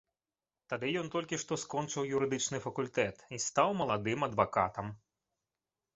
Тады ён толькі што скончыў юрыдычны факультэт і стаў маладым адвакатам.